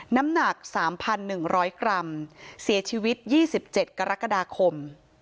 น้ำหนักสามพันหนึ่งร้อยกรัมเสียชีวิตยี่สิบเจ็ดกรกฎาคม